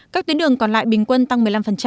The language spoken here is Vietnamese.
các tuyến đường còn lại bình quân tăng một mươi năm